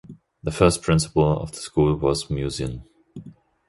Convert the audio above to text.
The first principal of the school was Musin.